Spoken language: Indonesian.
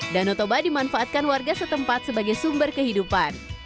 danotoba dimanfaatkan warga setempat sebagai sumber kehidupan